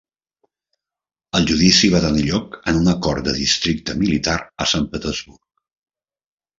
El judici va tenir lloc en una cort de districte militar a Sant Petersburg.